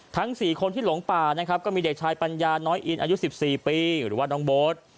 ทั้ง๔คนที่หลงป่านะครับก็มีเด็กชายปัญญาน้อยอินอายุ๑๔ปีหรือว่าน้องโบ๊ท